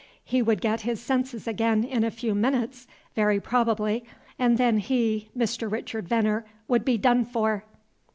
He would get his senses again in a few minutes, very probably, and then he, Mr. Richard Venner, would be done for.